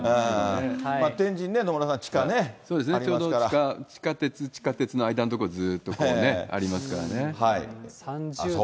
天神ね、野村さん、そうですね、ちょうど、地下鉄、地下鉄の間の所をずーっとこうね、ありますからね。